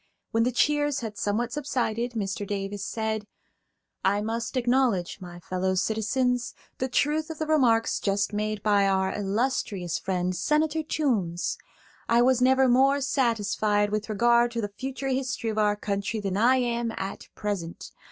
When the cheers had somewhat subsided, Mr. Davis said: "I must acknowledge, my fellow citizens, the truth of the remarks just made by our illustrious friend, Senator Toombs. I was never more satisfied with regard to the future history of our country than I am at present.